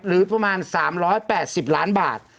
หรือประมาณ๓๘๐ล้านบาท